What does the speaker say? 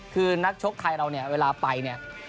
คือนักชกไทยเราเนี่ยเวลาไปเนี่ย